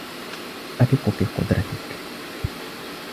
أثق في قدرتك.